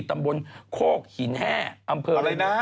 ตำบลโคกหินแห้อำเภออะไรนะ